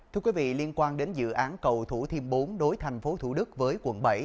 thưa quý vị liên quan đến dự án cầu thủ thiêm bốn nối thành phố thủ đức với quận bảy